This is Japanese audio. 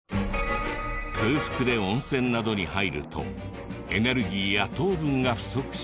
空腹で温泉などに入るとエネルギーや糖分が不足し。